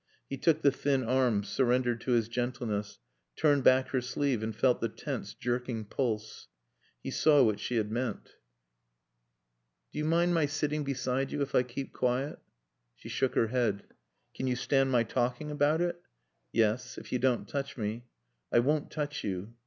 He took the thin arm surrendered to his gentleness, turned back her sleeve and felt the tense jerking pulse. He saw what she had meant. "Do you mind my sitting beside you if I keep quiet?" She shook her head. "Can you stand my talking about it?" "Yes. If you don't touch me." "I won't touch you.